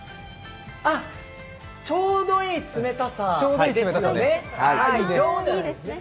ちょうどいい冷たさですね。